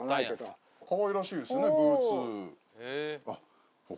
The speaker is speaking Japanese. かわいらしいですねブーツ。